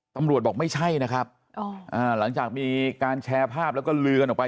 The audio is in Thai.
ตำรวจบอกไม่ใช่นะครับอ๋ออ่าหลังจากมีการแชร์ภาพแล้วก็เลือนออกไป